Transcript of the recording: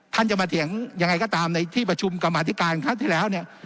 ท่านจะมาเถียงยังไงก็ตามในที่ประชุมกรรมาธิการครั้งที่แล้วเนี่ย